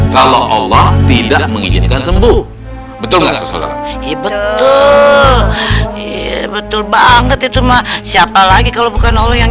kalau allah tidak mengizinkan sembuh betul banget itu mah siapa lagi kalau bukan allah yang